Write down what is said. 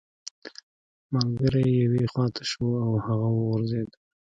ملګری یې یوې خوا ته شو او هغه وغورځیده